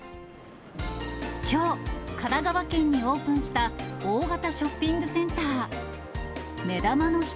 きょう、神奈川県にオープンした大型ショッピングセンター。